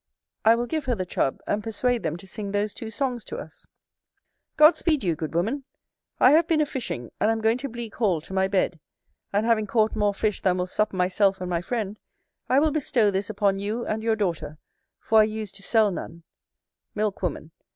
I will give her the Chub, and persuade them to sing those two songs to us. God speed you, good woman! I have been a fishing; and am going to Bleak Hall to my bed; and having caught more fish than will sup myself and my friend, I will bestow this upon you and your daughter, for I use to sell none. Milk woman.